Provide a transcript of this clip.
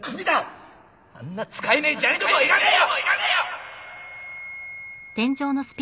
あんな使えねえ砂利どもはいらねえよ！